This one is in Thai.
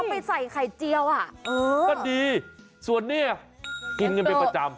ไปใส่ไข่เจียวอ่ะเออก็ดีส่วนนี้กินกันเป็นประจำ